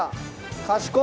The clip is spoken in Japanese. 賢い！